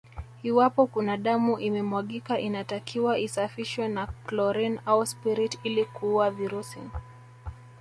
Iwapo kuna damu imemwagika inatakiwa isafishwe na chlorine au spirit ili kuua virusi